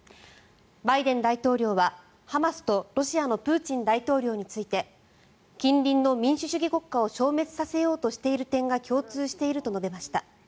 バイデン大統領は、ハマスとロシアのプーチン大統領について近隣の民主主義国家を消滅させようとしている点が共通していると述べました。